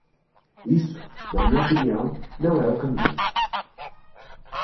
Isso, na minha opinião, não é o caminho.